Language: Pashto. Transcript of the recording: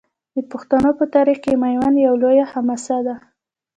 د پښتنو په تاریخ کې میوند یوه لویه حماسه ده.